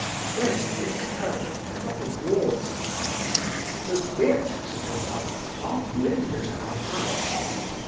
Then FitzHerbert went off abroad somewhere, so Beatrice and her mother half lived at our house.